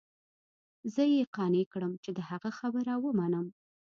زه يې قانع کړم چې د هغه خبره ومنم.